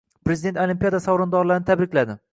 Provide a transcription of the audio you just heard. Prezident olimpiada sovrindorlarini tabrikladi